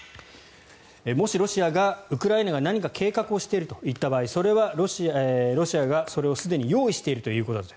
もしロシアがウクライナが何か計画をしていると言った場合それはロシアがそれをすでに用意しているということだと。